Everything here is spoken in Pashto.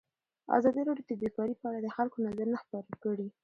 ازادي راډیو د بیکاري په اړه د خلکو نظرونه خپاره کړي.